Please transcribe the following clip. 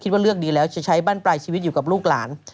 ว่าเลือกดีแล้วจะใช้บ้านปลายชีวิตอยู่กับลูกหลาน